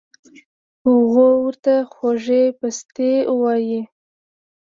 هغو ورته خوږې پستې اووائي